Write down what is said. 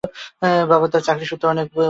বাবা তার চাকরি সূত্রে অনেক বছর ধরেই প্রবাসে।